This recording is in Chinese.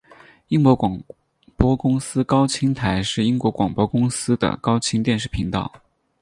英国广播公司高清台是英国广播公司的高清电视频道。